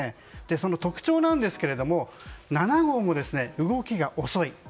その特徴なんですが７号も動きが遅い。